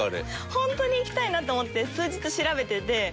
本当に行きたいなと思って数日調べてて。